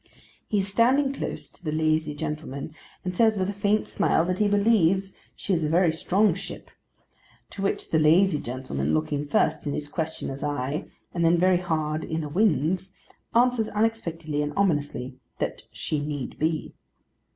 He is standing close to the lazy gentleman, and says with a faint smile that he believes She is a very strong Ship; to which the lazy gentleman, looking first in his questioner's eye and then very hard in the wind's, answers unexpectedly and ominously, that She need be.